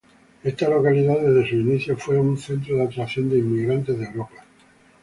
Esta localidad desde sus inicios fue un centro de atracción de inmigrantes de Europa.